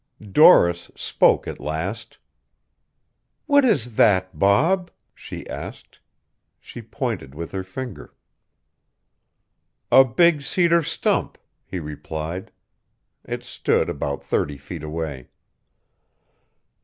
Doris spoke at last. "What is that, Bob?" she asked. She pointed with her finger. "A big cedar stump," he replied. It stood about thirty feet away.